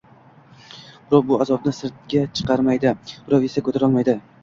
Birov bu azobni sirtiga chiqarmaydi, birov esa ko‘tarolmaydi